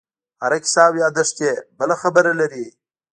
هره کیسه او یادښت یې بله خبره لري.